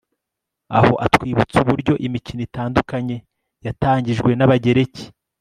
aho atwibutsa uburyo imikino itandukanye yatangijwe n'abagereki